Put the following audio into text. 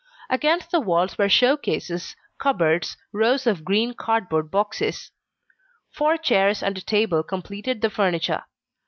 Against the walls were show cases, cupboards, rows of green cardboard boxes. Four chairs and a table completed the furniture.